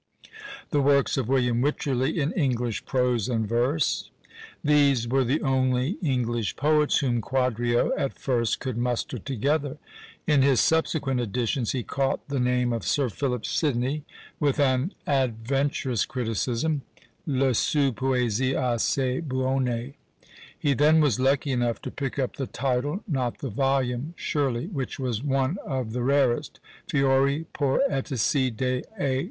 "The works of William Wycherly, in English prose and verse." These were the only English poets whom Quadrio at first could muster together! In his subsequent additions he caught the name of Sir Philip Sidney with an adventurous criticism, "le sue poesie assai buone." He then was lucky enough to pick up the title not the volume, surely which was one of the rarest; "Fiori poetici de A.